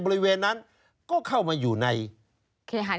ชีวิตกระมวลวิสิทธิ์สุภาณฑ์